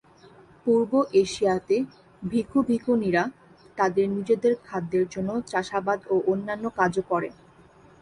পূর্ব এশিয়াতে ভিখু-ভিখুনীরা তাদের নিজেদের খাদ্যের জন্য চাষাবাদ ও অন্যান্য কাজ ও করে।